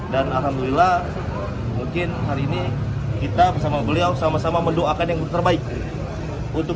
dan alhamdulillah mungkin hari ini kita bersama beliau sama sama mendoakan yang terbaik untuk